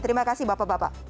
terima kasih bapak bapak